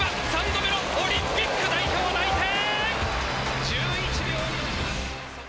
３度目のオリンピック代表内定！